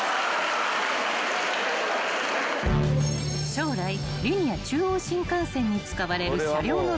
［将来リニア中央新幹線に使われる車両のベース